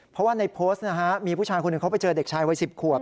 เพราะว่าในโพสต์นะฮะมีผู้ชายคนหนึ่งเขาไปเจอเด็กชายวัย๑๐ขวบ